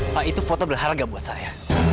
pak itu foto berharga buat saya